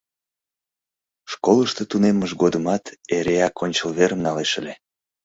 Школышто тунеммыж годымат эреак ончыл верым налеш ыле.